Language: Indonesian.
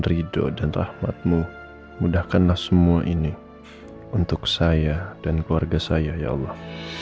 ridho dan rahmatmu mudahkanlah semua ini untuk saya dan keluarga saya ya allah